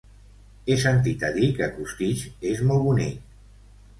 He sentit a dir que Costitx és molt bonic.